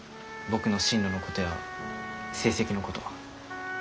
僕の進路のことや成績のこと。